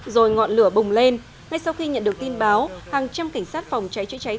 rồi ngọn lửa bùng lên ngay sau khi nhận được tin báo hàng trăm cảnh sát phòng cháy chữa cháy